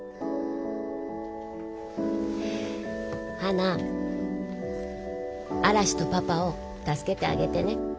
花嵐とパパを助けてあげてね。